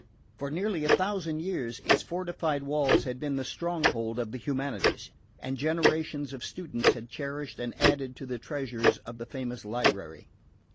For nearly a thousand years its fortified walls had been the stronghold of the humanities, and generations of students had cherished and added to the treasures of the famous library.